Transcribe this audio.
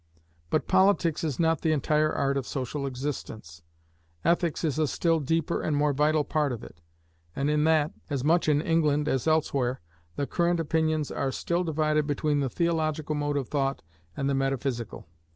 But politics is not the entire art of social existence: ethics is a still deeper and more vital part of it: and in that, as much in England as elsewhere, the current opinions are still divided between the theological mode of thought and the metaphysical.